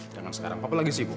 jangan sekarang papa lagi sibuk